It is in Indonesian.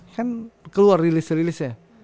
kan keluar rilis rilisnya